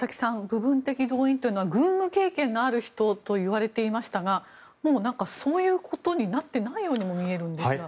部分的動員というのは軍務経験のある人といわれていましたがもう、そういうことになってないようにも見えるんですが。